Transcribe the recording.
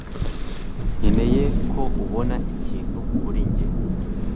Nkeneye ko ubona ikintu kuri njye